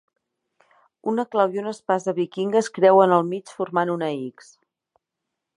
Una clau i una espasa vikinga es creuen al mig formant una x.